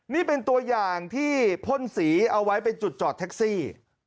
นี่เป็นตัวอย่างที่พ่นสีเอาไว้เป็นจุดจอดแท็กซี่